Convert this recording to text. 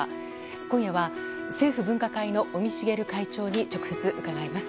今夜は政府分科会の尾身茂会長に直接伺います。